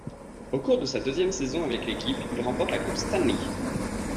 Au cours de sa deuxième saison avec l'équipe, il remporte la Coupe Stanley.